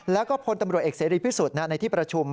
แล้วก็พลตำรวจเอกเสรีพิสุทธิ์ในที่ประชุม